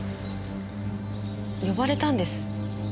呼ばれたんです。